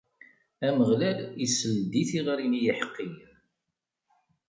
Ameɣlal isell-d i tiɣri n yiḥeqqiyen.